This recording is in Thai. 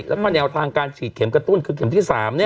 แล้วก็แนวทางการฉีดเข็มกระตุ้นคือเข็มที่๓